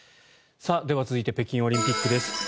では、続いて北京オリンピックです。